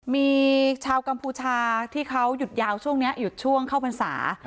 มีชาวกัมพูชาที่เขาหยุดยาวช่วงนี้หยุดช่วงเข้าพรรษา